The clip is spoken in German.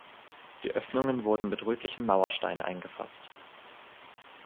Die Öffnungen wurden mit rötlichem Mauerstein eingefasst.